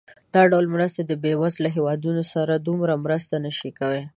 دا ډول مرستې د بېوزله هېوادونو سره دومره مرسته نه کوي.